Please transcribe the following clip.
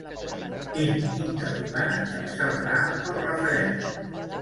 Quin interrogant encapçalarà el referèndum?